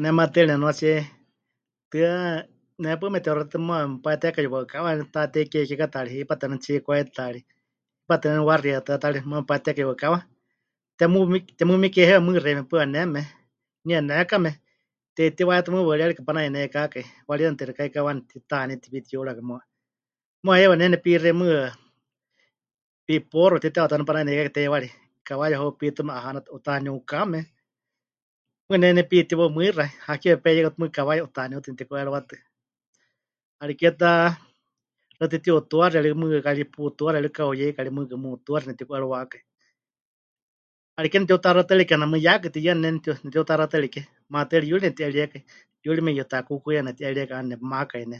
"Ne maatɨari nemɨnuatsie hutɨa, nehepaɨ mete'utaxaxatatɨ muuwa mepayetekai yuwaɨkawa Taatei Kie kiekátaari, hipátɨ waníu Tsiikwáitataari, hipátɨ waníu Waxietɨ́ataari muuwa mepayetekai yuwaɨkawa, temumik... temumikie heiwa mɨɨkɨ xeíme paɨ 'aneme, nie nekame, te'itiwayátɨ mɨɨkɨ waɨríyarika panayeneikákai, wariena texɨka heikawani titaaní tepitiyúruwakai muuwa, muuwa heiwa ne nepixei mɨɨkɨ ""Piporro"" titewatɨ waníu panayeneikákai teiwari, kawaya heupitume 'ahanatɨ 'utaniukame. Mɨɨkɨ ne nepitíwau mɨixa -hakeewa peyeika mɨɨkɨ kawaya 'utaniutɨ- netiku'eriwatɨ. 'Ariké ta xewítɨ tiutuaxie rikɨ mɨɨkɨ ka ri putuaxie, kari pɨka'uyeika ri mɨɨkɨ mutuaxie nepɨtiku'eriwákai. 'Ariké nepɨtiutaxatɨ́arie kename mɨɨkɨ yakɨ tiyɨane ne nepɨtiu... nepɨtiutaxatɨ́arie ke. Maatɨari yuri nepɨti'eríekai, yuri meyutakúkuyaame nepɨti'eríekai 'aana nepɨmakai ne."